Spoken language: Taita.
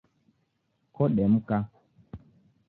Kodemka